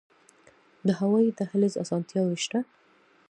د هوایی دهلیز اسانتیاوې شته؟